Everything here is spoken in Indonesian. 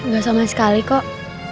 gak sama sekali kok